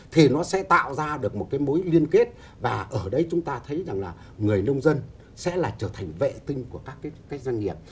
thì nó sẽ tạo ra được một cái mối liên kết và ở đấy chúng ta thấy rằng là người nông dân sẽ là trở thành vệ tinh của các cái doanh nghiệp